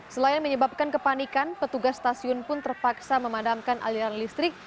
selain menyebabkan kepanikan petugas stasiun pun terpaksa memadamkan aliran listrik